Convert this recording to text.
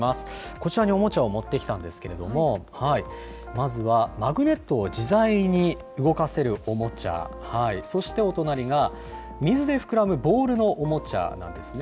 こちらにおもちゃを持ってきたんですけれども、まずは、マグネットを自在に動かせるおもちゃ、そしてお隣が、水で膨らむボールのおもちゃなんですね。